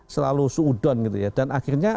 selalu seudon gitu ya dan akhirnya